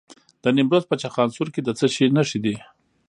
د نیمروز په چخانسور کې د څه شي نښې دي؟